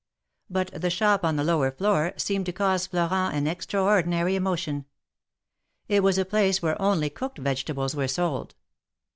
But the shop on the lower floor seemed to cause Florent an extraordinary emotion; it was a place where only cooked vegetables were sold.